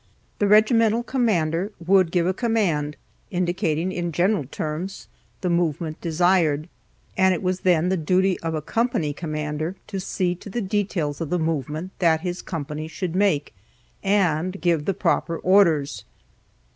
The regimental commander would give a command, indicating, in general terms, the movement desired, and it was then the duty of a company commander to see to the details of the movement that his company should make, and give the proper orders.